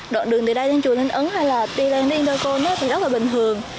đoạn đường từ đây đến chùa linh ấn hay là đi lên đến yên tô côn thì rất là bình thường